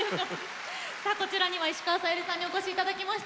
さあこちらには石川さゆりさんにお越し頂きました。